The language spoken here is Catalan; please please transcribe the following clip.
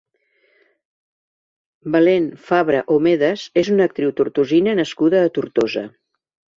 Belén Fabra Homedes és una actriu tortosina nascuda a Tortosa.